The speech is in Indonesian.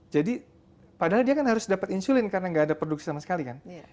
jadi padahal dia kan harus dapat insulin karena gak ada produk sama sekali kan